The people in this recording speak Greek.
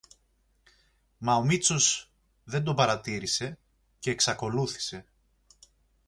Μα ο Μήτσος δεν τον παρατήρησε, κι εξακολούθησε: